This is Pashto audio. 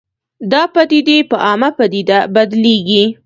دا پدیدې په عامه پدیده بدلېږي